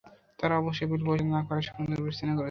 তারা অবশ্যই বিল পরিশোধ না করায় সংযোগ বিচ্ছিন্ন করেছে।